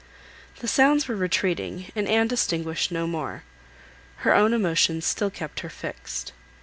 The sounds were retreating, and Anne distinguished no more. Her own emotions still kept her fixed.